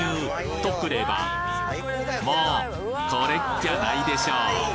とくればもうこれっきゃないでしょう！